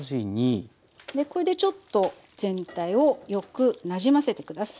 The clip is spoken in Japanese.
これでちょっと全体をよくなじませて下さい。